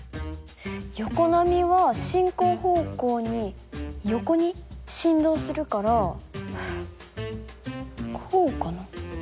横波は進行方向に横に振動するからこうかな？